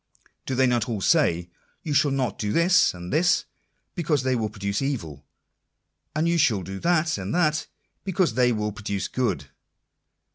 Do they not all say you shall not do this, and this, because they will produce evil ; and you shall do that and that, because they will produce good